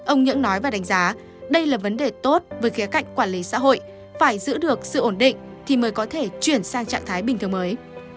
ông những nói và đánh giá đây là vấn đề tốt với khía cạnh quản lý xã hội phải giữ được sự ổn định thì mới có thể chuyển sang trạng thái bình thường mới